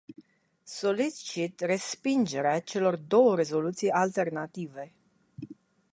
Solicit respingerea celor două rezoluții alternative.